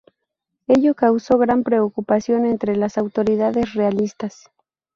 Ello causó gran preocupación entre las autoridades realistas.